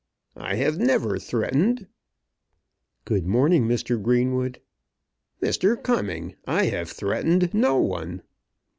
"I have never threatened." "Good morning, Mr. Greenwood." "Mr. Cumming, I have threatened no one."